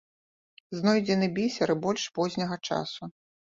Знойдзены бісер і больш позняга часу.